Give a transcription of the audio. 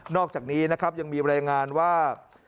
อกจากนี้นะครับยังมีรายงานว่า